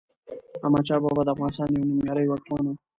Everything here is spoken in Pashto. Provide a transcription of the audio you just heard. احمد شاه بابا دافغانستان يو نوميالي واکمن وه